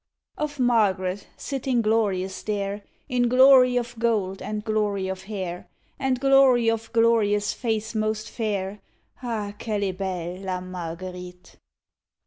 _ Of Margaret sitting glorious there, In glory of gold and glory of hair, And glory of glorious face most fair; _Ah! qu'elle est belle La Marguerite.